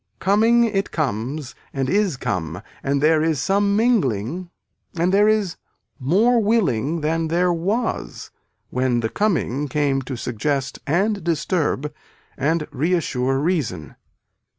Coming it comes and is come and there is some mingling and there is more willing than there was when the coming came to suggest and disturb and reassure reason.